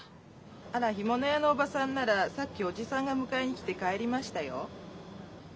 あら干物屋のおばさんならさっきおじさんが迎えに来て帰りましたよ。